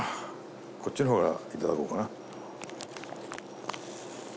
こっちのほうからいただこうかな。